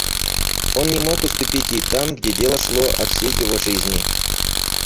Он не мог уступить ей там, где дело шло о всей его жизни.